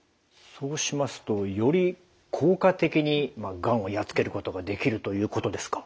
そうしますとより効果的にがんをやっつけることができるということですか？